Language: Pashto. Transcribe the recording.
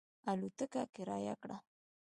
الوتکه کرایه کړه.